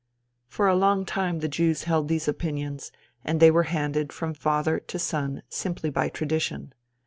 For a long time the Jews held these opinions, and they were handed from father to son simply by tradition.